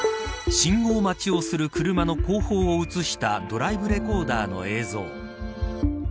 信号待ちをする車の後方を映したドライブレコーダーの映像。